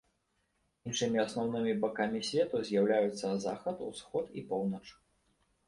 Іншымі асноўнымі бакамі свету з'яўляюцца захад, усход і поўнач.